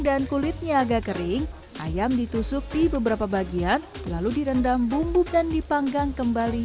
dan kulitnya agak kering ayam ditusuk di beberapa bagian lalu direndam bumbu dan dipanggang kembali